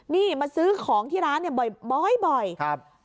นี่มาซื้อของที่ร้านบ่อยบ่อยครับครับ